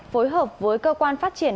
phối hợp với cơ quan phát triển